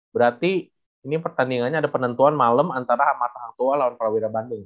berarti ini pertandingannya ada penentuan malam antara hamatang tua lawan prawira bandung